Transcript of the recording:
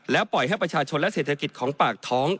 ปล่อยให้ประชาชนและเศรษฐกิจของปากท้อง